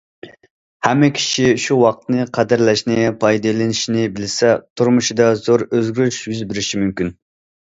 ھەممە كىشى شۇ ۋاقىتنى قەدىرلەشنى، پايدىلىنىشنى بىلسە، تۇرمۇشىدا زور ئۆزگىرىش يۈز بېرىشى مۇمكىن.